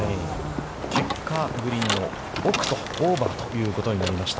結果、グリーンの奥と、オーバーということになりました。